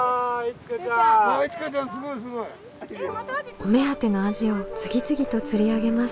お目当てのアジを次々と釣り上げます。